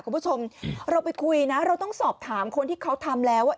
คุณผู้ชมเราไปคุยนะเราต้องสอบถามคนที่เขาทำแล้วอ่ะ